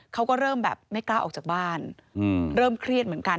เขาก็เริ่มแบบไม่กล้าออกจากบ้าน